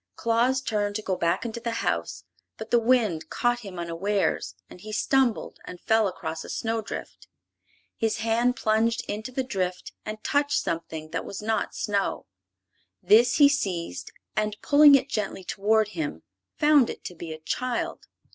Claus turned to go back into the house, but the wind caught him unawares and he stumbled and fell across a snowdrift. His hand plunged into the drift and touched something that was not snow. This he seized and, pulling it gently toward him, found it to be a child.